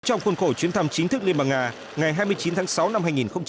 trong khuôn khổ chuyến thăm chính thức liên bang nga ngày hai mươi chín tháng sáu năm hai nghìn hai mươi